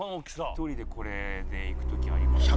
１人でこれで行く時ありますね。